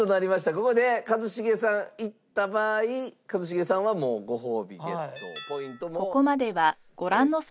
ここで一茂さんいった場合一茂さんはもうご褒美ゲット。